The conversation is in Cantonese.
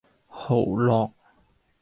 蚝烙